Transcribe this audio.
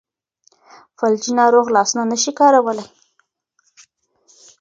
فلجي ناروغ لاسونه نشي کارولی.